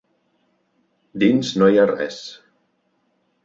Dins no hi ha res.